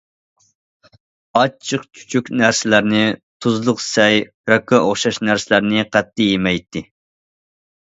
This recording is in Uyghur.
ئاچچىق- چۈچۈك نەرسىلەرنى، تۇزلۇق سەي، راكقا ئوخشاش نەرسىلەرنى قەتئىي يېمەيتتى.